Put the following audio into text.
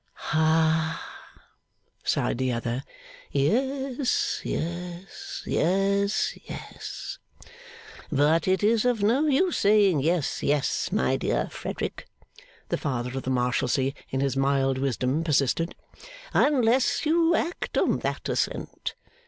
'Hah!' sighed the other. 'Yes, yes, yes, yes.' 'But it is of no use saying yes, yes, my dear Frederick,' the Father of the Marshalsea in his mild wisdom persisted, 'unless you act on that assent.